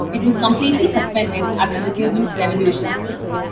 It was completely suspended after the Cuban revolution.